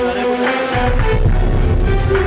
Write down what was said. terus tak selera makan